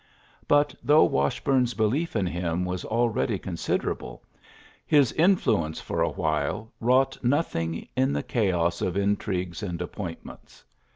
But, though Wash bume's belief in him was already con siderable, his influence for a while wrought nothing in the chaos of in trigues and appointments.